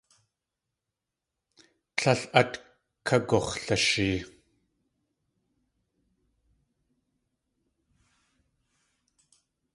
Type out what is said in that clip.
Tlél at kagux̲lashee.